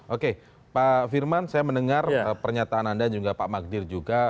oke pak firman saya mendengar pernyataan anda juga pak magdir juga